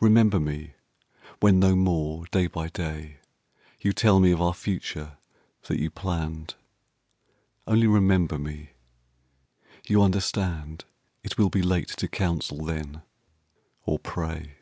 Remember me when no more, day by day, You tell me of our future that you planned: Only remember me; you understand It will be late to counsel then or pray.